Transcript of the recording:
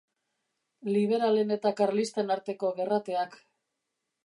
Liberalen eta karlisten arteko gerrateak.